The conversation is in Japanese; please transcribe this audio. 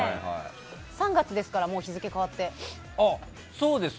もう３月ですから、日付変わって。